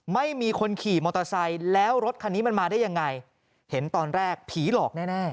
ไม่มีคนขี่มอเตอร์ไซค์แล้วรถคันนี้มันมาได้ยังไงเห็นตอนแรกผีหลอกแน่